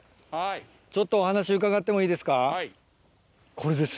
ちょっとお話伺ってもいいですか。